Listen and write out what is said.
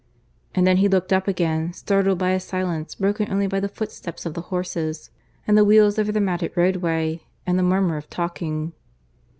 And then he looked up again, startled by a silence broken only by the footsteps of the horses and the wheels over the matted roadway, and the murmur of talking.